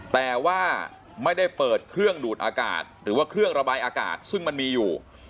แต่ว่าไม่ได้เปิดเครื่องดูดอากาศหรือว่าเครื่องระบายอากาศซึ่งมันมีอยู่